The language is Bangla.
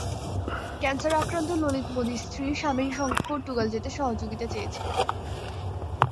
ক্যানসার আক্রান্ত ললিত মোদির স্ত্রী স্বামীর সঙ্গে পর্তুগাল যেতে সহযোগিতা চেয়েছিলেন।